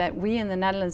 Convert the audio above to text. và tôi sẽ thích thật lắm